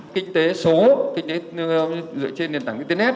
kinh tế số kinh tế dựa trên nền tảng internet